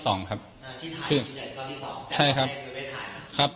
ที่ถ่ายรอบที่๒